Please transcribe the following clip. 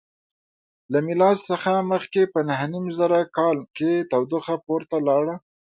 له میلاد څخه مخکې په نهه نیم زره کال کې تودوخه پورته لاړه.